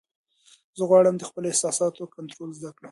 زه غواړم د خپلو احساساتو کنټرول زده کړم.